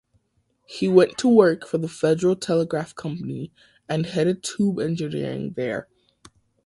He went to work for the Federal Telegraph Company, and headed tube engineering there.